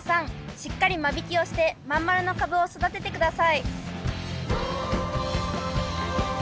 しっかり間引きをしてまん丸のカブを育てて下さい。